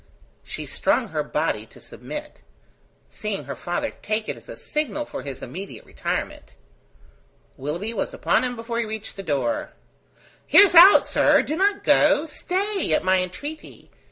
She strung her body to submit, seeing her father take it as a signal for his immediate retirement. Willoughby was upon him before he reached the door. "Hear us out, sir. Do not go. Stay, at my entreaty.